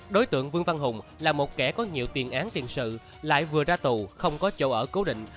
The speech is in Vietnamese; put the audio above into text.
đối tượng vương văn hùng là một kẻ có nhiều tiền án tiền sự lại vừa ra tù không có chỗ ở cố định